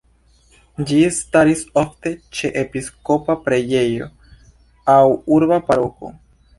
Ĝi staris ofte ĉe episkopa preĝejo aŭ urba paroko.